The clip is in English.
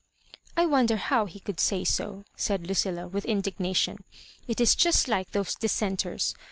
" I wonder how he could say so," said Lucilla, with indignation. "It is just like those Dissent ers.